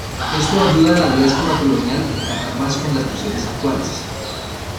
Esto ayuda a la diáspora colonial encajar más con las naciones actuales.